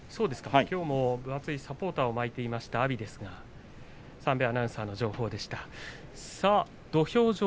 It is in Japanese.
きょうも分厚いサポーターを巻いていました阿炎ですが阿炎の情報でした。